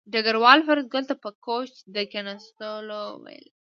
ډګروال فریدګل ته په کوچ د کېناستلو وویل